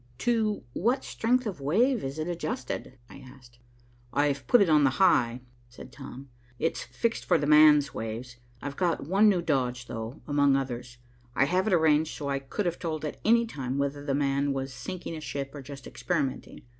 "To what strength of wave is it adjusted?" I asked. "I've put it on the high," said Tom. "It's fixed for 'the man's' waves. I've got one new dodge, though, among others. I have it arranged so I could have told at any time whether 'the man' was sinking a ship or just experimenting.